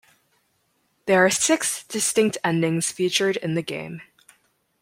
There are six distinct endings featured in the game.